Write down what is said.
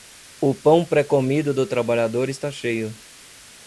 O pão pré-comido do trabalhador está cheio.